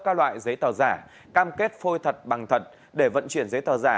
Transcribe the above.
các loại giấy tờ giả cam kết phôi thật bằng thật để vận chuyển giấy tờ giả